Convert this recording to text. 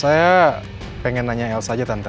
saya pengen tanya elsa aja tante